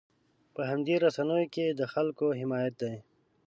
په همدې رسنیو کې د خلکو حمایت دی.